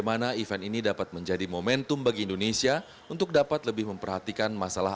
ini fasilitasnya berarti toilet untuk defable di aquatik ini oke ya